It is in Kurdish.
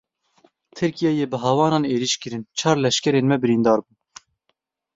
Tirkiyeyê bi hawanan êriş kirin, çar leşkerên me birîndar bûn.